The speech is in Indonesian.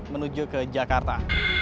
menuju ke jakarta